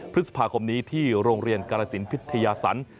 พฤษภาคมนี้ที่โรงเรียนกาลสินพิทยาศร